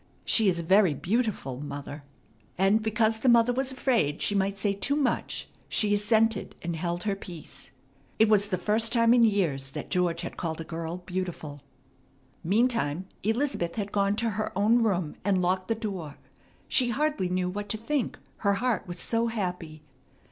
She is very beautiful, mother." And because the mother was afraid she might say too much she assented, and held her peace. It was the first time in years that George had called a girl beautiful. Meantime Elizabeth had gone to her own room and locked the door. She hardly knew what to think, her heart was so happy.